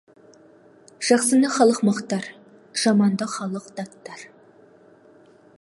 Жақсыны халық мақтар, жаманды халық даттар.